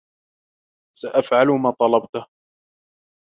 سأفعل ما طلبته.